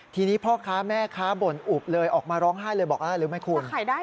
ทีนี้พ่อค้าแม่ค้าบ่นอุบเลยออกมาร้องไห้เลยบอกอะไรรู้ไหมคุณ